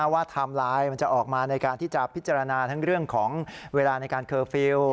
ไทม์ไลน์มันจะออกมาในการที่จะพิจารณาทั้งเรื่องของเวลาในการเคอร์ฟิลล์